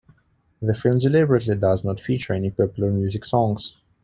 The film deliberately does not feature any popular music songs.